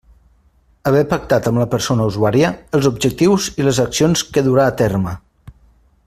Haver pactat amb la persona usuària els objectius i les accions que durà a terme.